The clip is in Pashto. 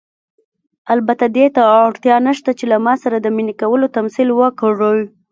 البته دې ته اړتیا نشته چې له ما سره د مینې کولو تمثیل وکړئ.